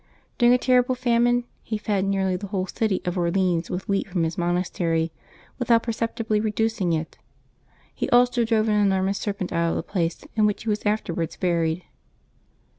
During a terrible famine he fed nearly the whole city of Orleans with wheat from his monastery, without perceptibly reducing it; he also drove an enor mous serpent out of the place in which he was afterwards buried.